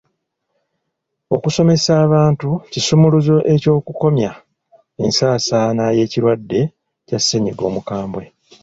Okusomesa abantu kisumuluzo ky'okukomya ensaasaana y'ekirwadde kya ssennyiga omukambwe.